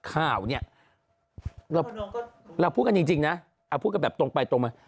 ข่าวเนี่ยเราพูดกันจริงนะเอาพูดกันแบบตรงไปตรงมา